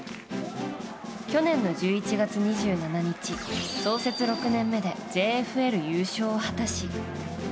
去年の１１月２７日創設６年目でＪＦＬ優勝を果たし